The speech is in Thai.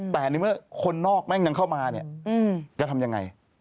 แต่ในเมื่อคนนอกแม่งยังเข้ามาก็ทำอย่างไร